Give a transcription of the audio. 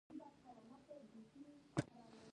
د پوهنتون ژوند د ځان نظارت غواړي.